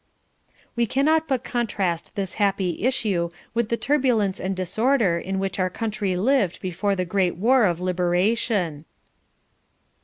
We cannot but contrast this happy issue with the turbulence and disorder in which our country lived before the Great War of Liberation.